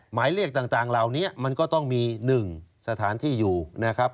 หมายเลขต่างเหล่านี้มันก็ต้องมี๑สถานที่อยู่นะครับ